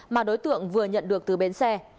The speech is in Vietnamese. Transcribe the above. mà đối tượng vừa nhận được từ bến xe